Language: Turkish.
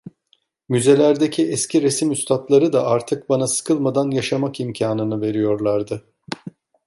Müzelerdeki eski resim üstatları da artık bana sıkılmadan yaşamak imkânını veriyorlardı.